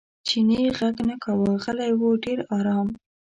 چیني غږ نه کاوه غلی و ډېر ارام.